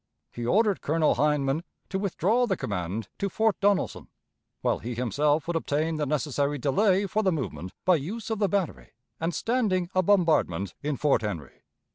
He ordered Colonel Hindman to withdraw the command to Fort Donelson, while he himself would obtain the necessary delay for the movement by use of the battery, and standing a bombardment in Fort Henry.